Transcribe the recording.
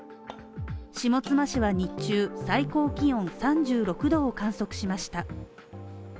下妻市は日中、最高気温３６度を観測しました。